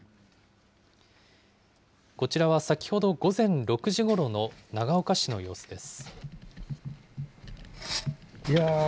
こちらは先ほど午前６時ごろの長岡市の様子です。